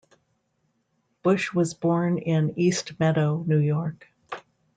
Busch was born in East Meadow, New York.